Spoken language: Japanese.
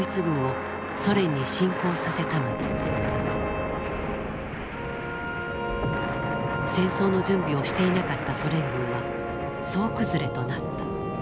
戦争の準備をしていなかったソ連軍は総崩れとなった。